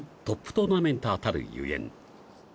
トーナメンターたるゆえん